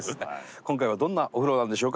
今回はどんなお風呂なんでしょうか。